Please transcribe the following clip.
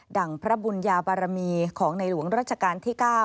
ั่งพระบุญญาบารมีของในหลวงรัชกาลที่๙